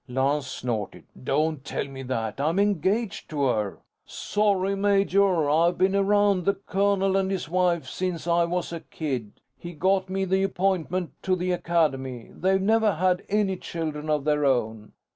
Lance snorted. "Don't tell me that. I'm engaged to her." "Sorry, major. I've been around the colonel and his wife since I was a kid. He got me the appointment to the Academy. They've never had any children of their own."